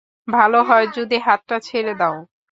ভালো হয় যদি হাতটা ছেড়ে দাও!